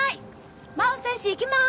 真帆選手行きます！